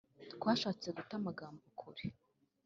'twashatse guta amagambo kure; kuri